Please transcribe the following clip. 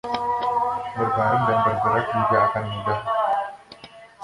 Berbaring dan bergerak juga akan mudah.